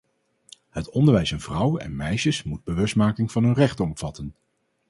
Het onderwijs aan vrouwen en meisjes moet bewustmaking van hun rechten omvatten.